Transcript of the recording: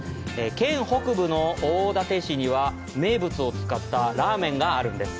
県北部の大館市には名物を使ったラーメンがあるんです。